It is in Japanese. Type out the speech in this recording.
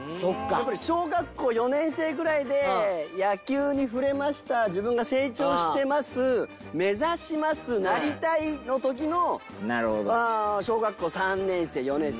やっぱり小学校４年生くらいで「野球に触れました自分が成長してます目指しますなりたい」の時の小学校３年生４年生